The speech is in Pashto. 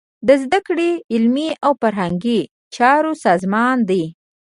د زده کړې، علمي او فرهنګي چارو سازمان دی.